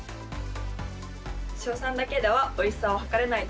硝酸だけではおいしさを測れないと思いました。